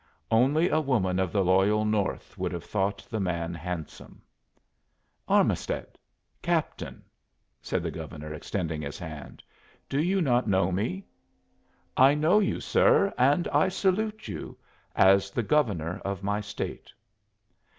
Only a woman of the loyal North would have thought the man handsome. "Armisted Captain," said the Governor, extending his hand, "do you not know me?" "I know you, sir, and I salute you as the Governor of my State."